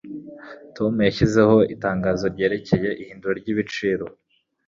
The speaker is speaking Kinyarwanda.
Tom yashyizeho itangazo ryerekeye ihinduka ryibiciro.